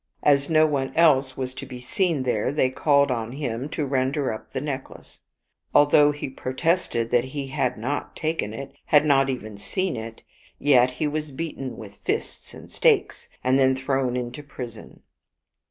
As no one else was to be seen there, they called on him to render up the necklace. Although he protested that he had not taken it, had not even seen it, yet he was beaten with fists and stakes, and then thrown into prison.